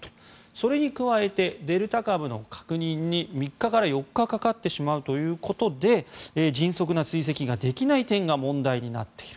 それに加えてデルタ株の確認に３日から４日かかってしまうということで迅速な追跡ができない点が問題になっている。